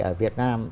ở việt nam